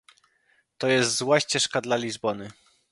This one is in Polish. To jest zła ścieżka dla Lizbony